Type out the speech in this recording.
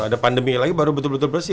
ada pandemi lagi baru betul betul bersih